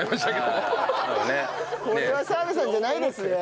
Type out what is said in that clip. これは澤部さんじゃないですね。